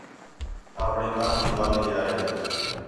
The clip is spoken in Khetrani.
آپݨے کم تی وَل ڳِیا ہے